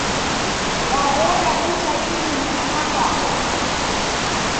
Waghora ucha idime aha kwapo